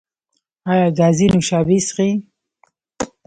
ایا ګازي نوشابې څښئ؟